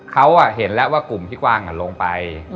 เขาเห็นแล้วว่ากลุ่มพี่กวางลงไป